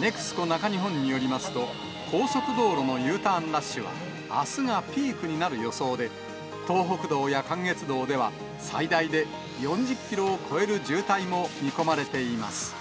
ネクスコ中日本によりますと、高速道路のＵターンラッシュは、あすがピークになる予想で、東北道や関越道では、最大で４０キロを超える渋滞も見込まれています。